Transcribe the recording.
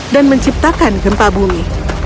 dan menciptakan gempa bumi